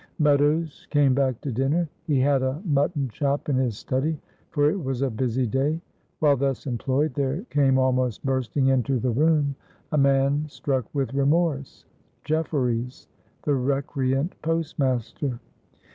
Meadows came back to dinner; he had a mutton chop in his study, for it was a busy day. While thus employed there came almost bursting into the room a man struck with remorse Jefferies, the recreant postmaster.